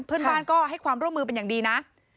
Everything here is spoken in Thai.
เพื่อนบ้านก็ให้ความร่วมมือเป็นอย่างดีนะ